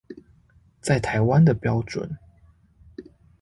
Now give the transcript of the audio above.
在台灣的標準